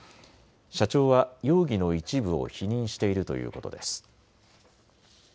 社長は容疑の一部を否認しているということです。